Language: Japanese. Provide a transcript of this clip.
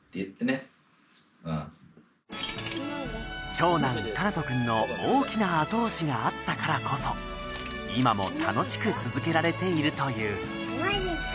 長男かなとくんの大きな後押しがあったからこそ今も楽しく続けられているといううまいですか？